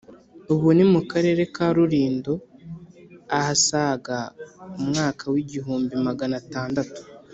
(ubu ni mu Karere ka Rulindo); ahasaga umwaka wigihumbi magana atandatu